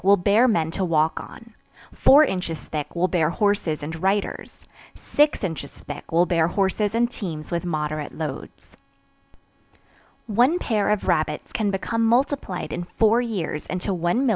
Good clear ice two inches thick will bear men to walk on; four inches thick will bear horses and riders; six inches thick will bear horses and teams with moderate loads. One pair of rabbits can become multiplied in four years into 1,250,000.